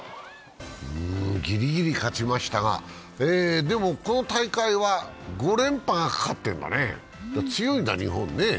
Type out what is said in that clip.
ギリギリ勝ちましたが、でもこの大会は５連覇がかかってるんだね、強いんだね、日本。